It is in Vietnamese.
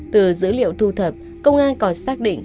từ dữ liệu thu thập công an còn xác định